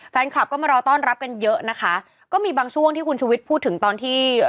แฟนคลับก็มารอต้อนรับกันเยอะนะคะก็มีบางช่วงที่คุณชุวิตพูดถึงตอนที่